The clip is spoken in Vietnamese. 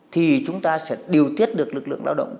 thì chúng ta sẽ điều tiết được lực lượng lao động